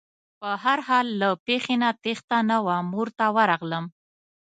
په هر حال له پېښې نه تېښته نه وه مور ته ورغلم.